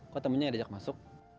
kok temennya nggak ajak masuk